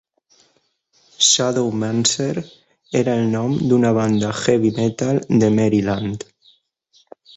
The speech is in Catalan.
Shadowmancer era el nom d'una banda heavy-metal de Maryland.